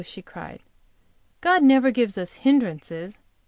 she cried. "God never gives us hindrances.